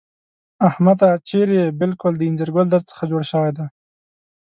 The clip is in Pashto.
احمده! چېرې يې؟ بالکل د اينځر ګل در څخه جوړ شوی دی.